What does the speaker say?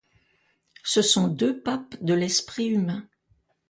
Ce sont deux papes de l'esprit humain.